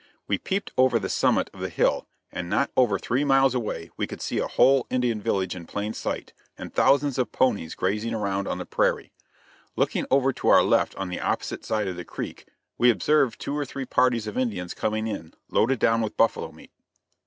We peeped over the summit of the hill, and not over three miles away we could see a whole Indian village in plain sight, and thousands of ponies grazing around on the prairie. Looking over to our left on the opposite side of the creek, we observed two or three parties of Indians coming in, loaded down with buffalo meat.